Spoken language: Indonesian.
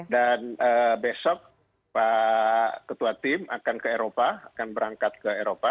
dan besok pak ketua tim akan ke eropa akan berangkat ke eropa